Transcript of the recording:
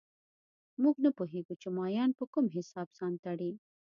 موږ نه پوهېږو چې مایان په کوم حساب ځان تړي